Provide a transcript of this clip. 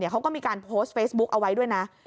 เขาก็มีการโพสต์เฟซบุ๊กเอาไว้ด้วยนะ